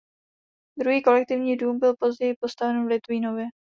Druhý kolektivní dům byl později postaven v Litvínově.